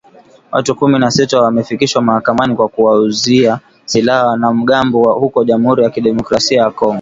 Watu kumi na sita wamefikishwa mahakamani kwa kuwauzia silaha wanamgambo huko Jamhuri ya Kidemokrasia ya Kongo